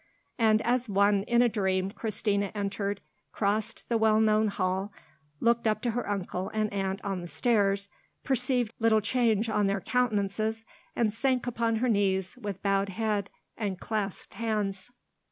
and as one in a dream Christina entered, crossed the well known hall, looked up to her uncle and aunt on the stairs, perceived little change on their countenances, and sank upon her knees, with bowed head and clasped hands.